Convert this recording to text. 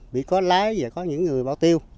vì có lái và có những người bảo tiêu